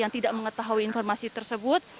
yang tidak mengetahui informasi tersebut